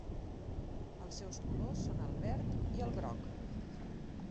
Els seus colors són el verd i el groc.